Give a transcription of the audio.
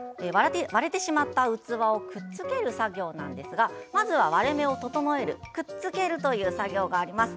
割れてしまった器をくっつける作業なんですがまずは割れ目を整えるくっつけるという作業があります。